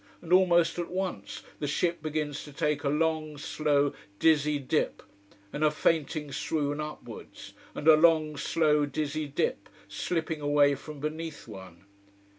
And almost at once the ship begins to take a long, slow, dizzy dip, and a fainting swoon upwards, and a long, slow, dizzy dip, slipping away from beneath one.